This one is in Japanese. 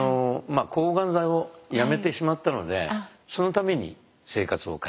抗がん剤をやめてしまったのでそのために生活を変えて。